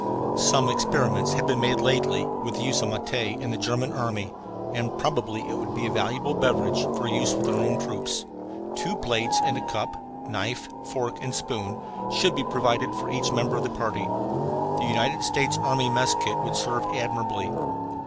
Some experiments have been made lately with the use of matte in the German army, and probably it would be a valuable beverage for the use of our own troops. Two plates and a cup, knife, fork, and spoon should be provided for each member of the party. The United States Army mess kit would serve admirably.